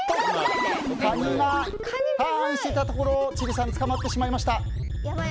カニがターンしていたところを千里さんが捕まってしまった。